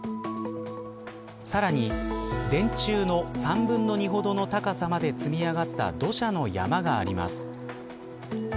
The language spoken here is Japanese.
さらに電柱の３分の２ほどの高さまで積み上がった土砂の山があります。